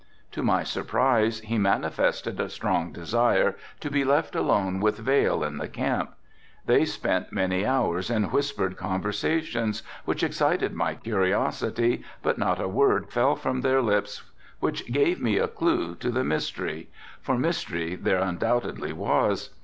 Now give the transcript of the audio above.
To my surprise he manifested a strong desire to be left alone with Vail in the camp. They spent many hours in whispered conversations which excited my curiosity, but not a word fell from their lips which gave me a clue to the mystery, for mystery there undoubtedly was.